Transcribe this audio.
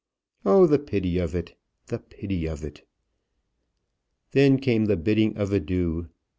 Oh, the pity of it; the pity of it! Then came the bidding of adieu.